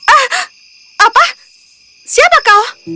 ah apa siapa kau